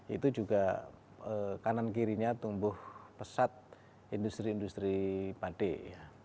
itu juga kanan kirinya tumbuh pesat industri industri batik ya